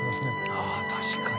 ああ確かに。